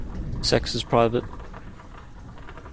Sex is private.